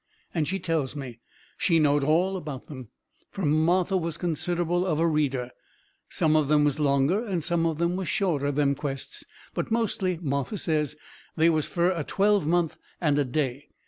And she tells me. She knowed all about them, fur Martha was considerable of a reader. Some of them was longer and some of them was shorter, them quests, but mostly, Martha says, they was fur a twelvemonth and a day.